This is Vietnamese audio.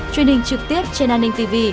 truyền hình trực tiếp trên an ninh tv